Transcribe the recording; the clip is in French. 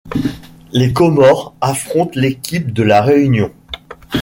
Les Comores affrontent l'équipe de la Réunion.